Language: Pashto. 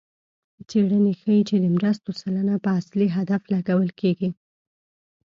څېړنې ښيي چې د مرستو سلنه په اصلي هدف لګول کېږي.